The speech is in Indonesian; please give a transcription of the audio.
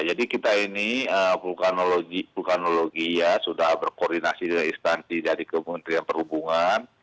jadi kita ini flukanologi ya sudah berkoordinasi dari istansi dari kementerian perhubungan